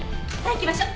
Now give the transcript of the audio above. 行きましょう！